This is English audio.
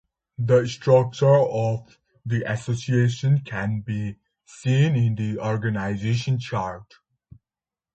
The structure of the association can be seen in the organisation chart.